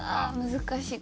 難しい。